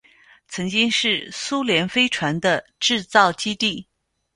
曾经是苏联飞船的制造基地。